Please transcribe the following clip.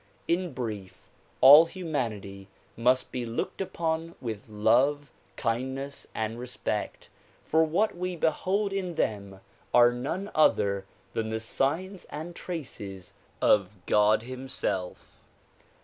In brief, all humanity must be looked upon with love, kindness and respect, for what we behold in them are none other than the signs and traces of God himself.